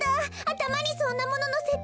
たまにそんなもののせて。